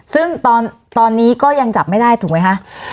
ซึ่งตอนนี้ก็ยังจับไม่ได้ถูกไหมคะ